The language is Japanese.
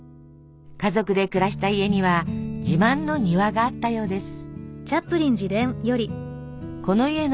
家族で暮らした家には自慢の庭があったようです。